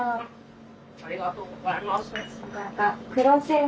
ありがとうございます。